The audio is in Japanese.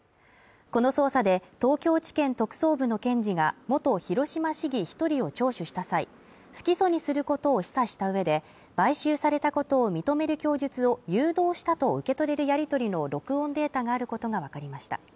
この捜査で東京地検特捜部の検事が、元広島市議１人を聴取した際、不起訴にすることを示唆した上で、買収されたことを認める供述を誘導したと受け取れるやり取りの録音データがあることがわかりました。